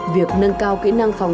việc nâng cao kỹ năng phòng